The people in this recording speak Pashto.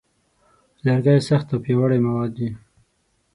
لرګی سخت او پیاوړی مواد دی.